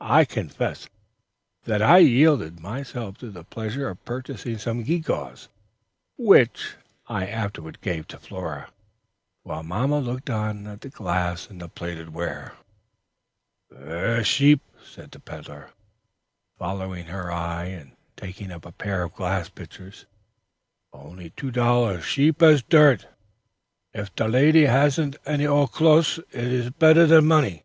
I confess that I yielded myself to the pleasure of purchasing some gewgaws, which I afterward gave to Flora, while mamma looked at the glass and plated ware. "Ver sheap," said the peddler, following her eye, and taking up a pair of glass pitchers; "only two dollar sheap as dirt. If te lady hash any old closhes, it is petter as money."